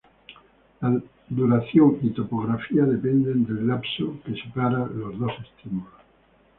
La duración y topografía depende del lapso que separa los dos estímulos.